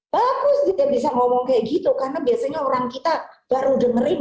bagus tidak bisa ngomong kayak gitu karena biasanya orang kita baru dengerin